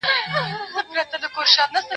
بازاري ویل راځه چي ځو ترکوره